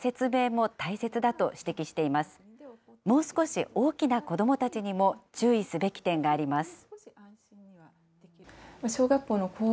もう少し大きな子どもたちにも注意すべき点があります。